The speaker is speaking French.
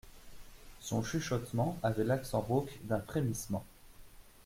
Son chuchotement avait l'accent rauque d'un frémissement.